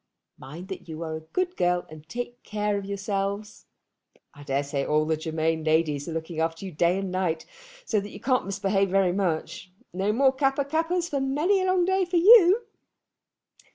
Mind that you are a good girl and take care of yourselves. I daresay all the Germain ladies are looking after you day and night, so that you can't misbehave very much. No more Kappa kappas for many a long day for you!